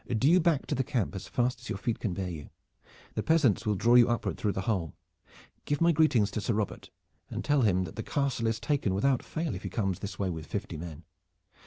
Do you back to the camp as fast as your feet can bear you. The peasants will draw you upward through the hole. Give my greetings to Sir Robert and tell him that the castle is taken without fail if he comes this way with fifty men.